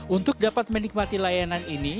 untuk dapat menikmati layanan ini